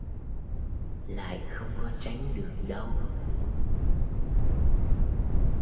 Lại không có tránh được đâu